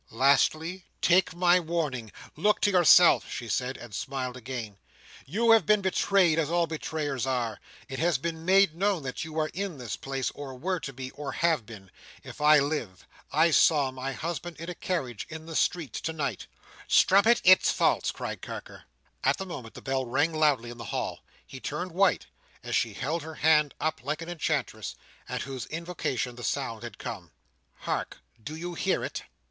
"Lastly, take my warning! Look to yourself!" she said, and smiled again. "You have been betrayed, as all betrayers are. It has been made known that you are in this place, or were to be, or have been. If I live, I saw my husband in a carriage in the street tonight!" "Strumpet, it's false!" cried Carker. At the moment, the bell rang loudly in the hall. He turned white, as she held her hand up like an enchantress, at whose invocation the sound had come. "Hark! do you hear it?"